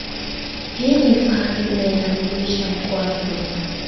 Hii ni hifadhi inayoutambulisha mkoa wa Kigoma